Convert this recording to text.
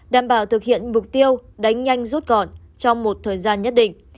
đảm bảo thực hiện mục tiêu đánh nhanh rút gọn trong một thời gian nhất định